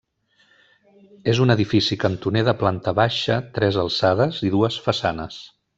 És un edifici cantoner de planta baixa, tres alçades i dues façanes.